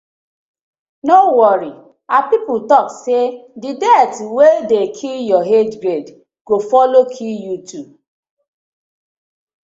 No worry, our pipu tok say di death wey di kill yah age grade go follow kill yu too.